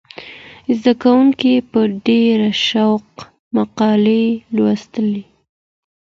زده کوونکي په ډېر شوق مقالې لوستلې.